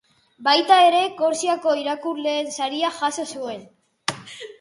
Baita ere, Korsikako irakurleen saria jaso zuen.